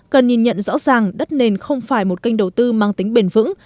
cần nhìn nhận rõ ràng đất nền không phải một kênh đầu tư mang tính bền vững